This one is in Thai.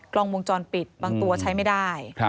กล้องวงจรปิดบางตัวใช้ไม่ได้